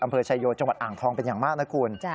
อำเภอชายโยจังหวัดอ่างทองเป็นอย่างมากนะคุณ